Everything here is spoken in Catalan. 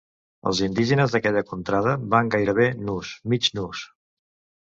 Els indígenes d'aquella contrada van gairebé nus, mig nus.